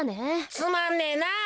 つまんねえなあ。